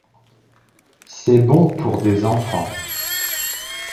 C’est bon pour des enfants